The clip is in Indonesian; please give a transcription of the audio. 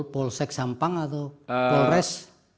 polsek sampang atau polres